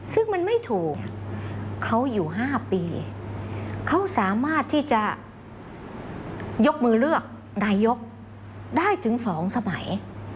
ซึ่งมันไม่ถูกเขาอยู่๕ปีเขาสามารถที่จะยกมือเลือกนายกได้ถึง๒สมัย